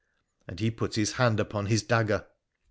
' and he put his hand upon his dagger.